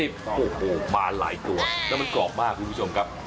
๔๒๐บาทมาหลายตัวแล้วมันกรอกมากตัวผู้ชมครับ